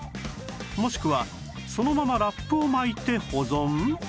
もしくはそのままラップを巻いて保存？